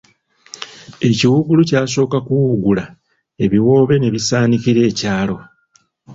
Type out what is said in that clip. Ekiwuugulu kyasooka kuwuugula, ebiwoobe ne bisaanikira ekyalo.